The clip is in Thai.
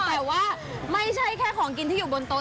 แต่ว่าไม่ใช่แค่ของกินที่อยู่บนโต๊